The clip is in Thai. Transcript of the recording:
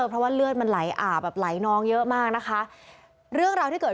เพราะว่าเลือดมันไหลอาบแบบไหลน้องเยอะมากนะคะเรื่องราวที่เกิด